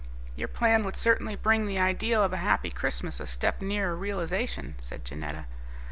"Your plan would certainly bring the ideal of a Happy Christmas a step nearer realisation," said Janetta.